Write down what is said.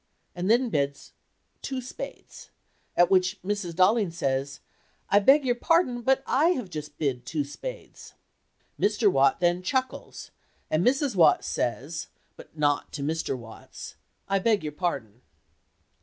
and then bids "Two spades," at which Mrs. Dollings says, "I beg your pardon, but I have just bid two spades." Mr. Watts then chuckles, and Mrs. Watts says (but not to Mr. Watts), "I beg your pardon."